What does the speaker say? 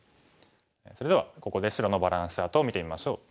それではここで白のバランスチャートを見てみましょう。